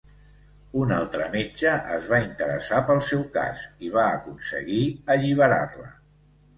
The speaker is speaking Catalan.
Un altre metge es va interessar pel seu cas i va aconseguir alliberar-la.